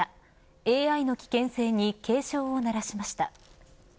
ＡＩの危険性に警鐘を鳴らしました。